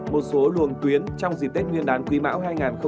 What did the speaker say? một số luồng tuyến trong dịp tết nguyên đán quý mão hai nghìn hai mươi